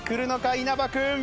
稲葉君。